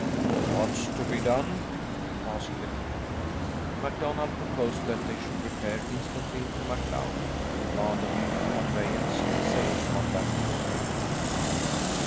"What's to be done?" asked the king. MacDonald proposed that they should repair instantly to MacLeod and demand of him conveyance and safe conduct to the mainland.